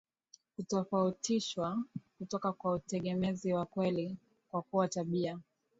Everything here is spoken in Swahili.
kutofautishwa kutoka kwa utegemezi wa kweli kwa kuwa tabia